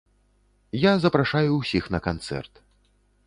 Я запрашаю ўсіх на канцэрт.